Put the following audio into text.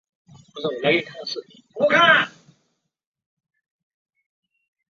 阿古斯供奉赫拉女神。